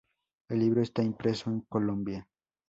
El libro está impreso en Colombia.